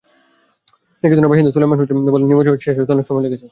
নিকেতনের বাসিন্দা সোলায়মান হোসেন বললেন, নিবন্ধন শেষ হতে অনেক সময় লেগেছে।